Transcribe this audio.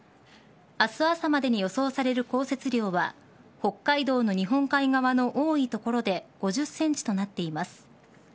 明日朝までに予想される降雪量は北海道の日本海側の多い所で５０ｃｍとなっています。